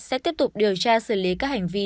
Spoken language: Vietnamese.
sẽ tiếp tục điều tra xử lý các hành vi